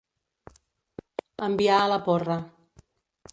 Enviar a la porra.